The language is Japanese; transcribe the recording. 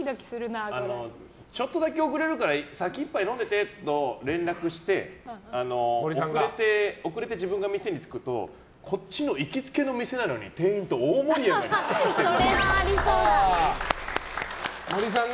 ちょっとだけ遅れるから先１杯飲んでての連絡して遅れて自分が店に着くとこっちの行きつけの店なのに店員と大盛り上がりしてるっぽい。